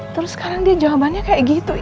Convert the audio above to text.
terus sekarang dia jawabannya kayak gitu